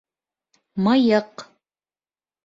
Мыйыҡ